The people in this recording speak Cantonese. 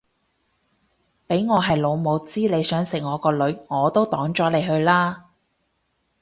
俾我係老母知你想食我個女我都擋咗你去啦